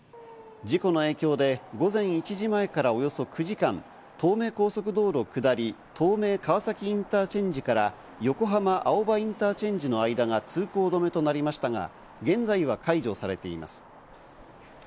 事故の影響で午前１時前からおよそ９時間、東名高速道路下り東名川崎インターチェンジから横浜青葉インターチェンジの間が通行止めとなりましたが、現在は解除されています。